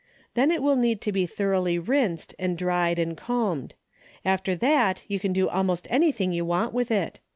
Then it will need to be thoroughly rinsed, and dried and combed. After that you can do almost anything you want to with it.